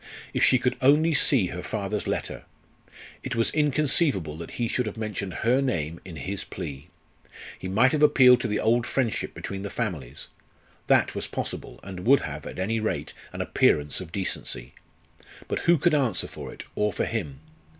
If she could only see her father's letter! It was inconceivable that he should have mentioned her name in his plea. He might have appealed to the old friendship between the families. That was possible, and would have, at any rate, an appearance of decency. But who could answer for it or for him?